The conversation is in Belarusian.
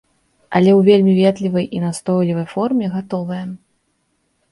Але ў вельмі ветлівай і настойлівай форме гатовая.